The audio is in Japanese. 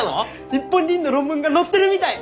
日本人の論文が載ってるみたい！